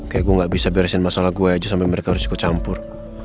kayak gue gak bisa beresin masalah gue aja sampai mereka harus ikut campur